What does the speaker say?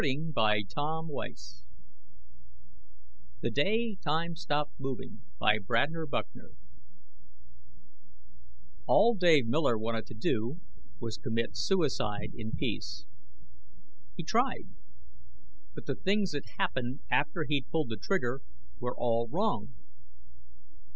net THE DAY TIME STOPPED MOVING By BRADNER BUCKNER _All Dave Miller wanted to do was commit suicide in peace. He tried, but the things that happened after he'd pulled the trigger were all wrong.